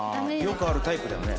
よくあるタイプだよね。